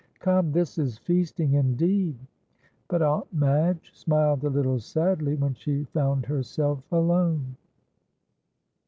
"Come this is feasting indeed!" But Aunt Madge smiled a little sadly when she found herself alone.